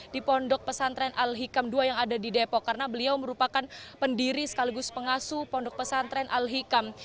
di pondok pesantren al hikam ii yang ada di depok karena beliau merupakan pendiri sekaligus pengasuh pondok pesantren al hikam